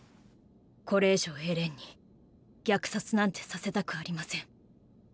これ以上エレンに虐殺なんてさせたくありません。